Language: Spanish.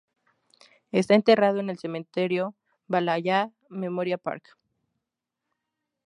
Está enterrado en el Cementerio Valhalla Memorial Park.